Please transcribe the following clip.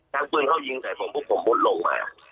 ปืนเขายิงใส่ผมพวกผมมุดลงมา